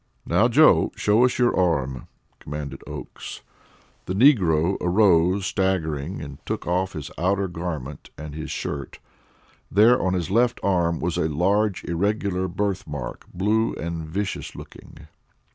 "Now, Joe, show us your arm!" commanded Oakes. The negro arose staggering, and took off his outer garment and his shirt. There, on his left arm, was a large irregular birthmark, blue and vicious looking.